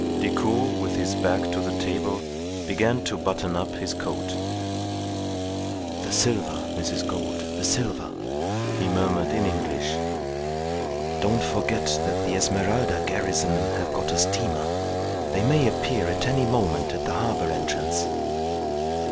Decoud, with his back to the table, began to button up his coat. "The silver, Mrs. Gould, the silver," he murmured in English. "Don't forget that the Esmeralda garrison have got a steamer. They may appear at any moment at the harbour entrance."